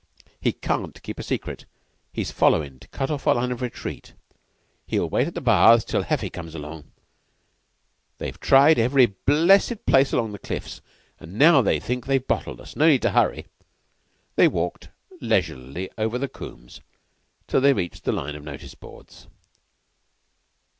"He can't keep a secret. He's followin' to cut off our line of retreat. He'll wait at the baths till Heffy comes along. They've tried every blessed place except along the cliffs, and now they think they've bottled us. No need to hurry." They walked leisurely over the combes till they reached the line of notice boards.